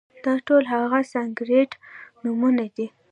دا ټول هغه سانسکریت نومونه دي،